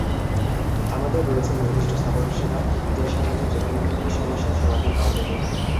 আমাদের রয়েছে নির্দিষ্ট সাপোর্ট সেবা, যার সাহায্যে যেকোনো ধরনের সমস্যার সমাধান পাওয়া যাবে।